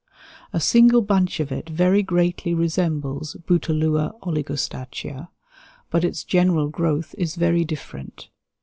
A single bunch of it very greatly resembles Bouteloua oligostachya, but its general growth is very different.